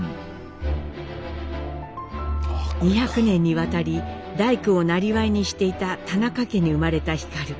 ２００年にわたり大工をなりわいにしていた田中家に生まれた皓。